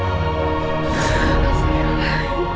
yang mereka sendiri